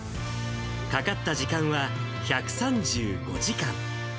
かかった時間は１３５時間。